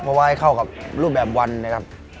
เพราะว่าให้เข้ากับรูปแบบวันนะครับ